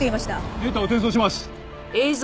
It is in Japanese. データを転送します。